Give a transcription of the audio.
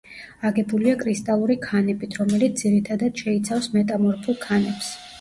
აგებულია კრისტალური ქანებით, რომელიც ძირითადად შეიცავს მეტამორფულ ქანებს.